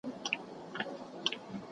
¬ اره، اره، يوم پر غاړه.